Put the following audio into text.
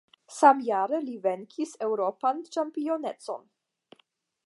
Samjare li venkis eŭropan ĉampionecon.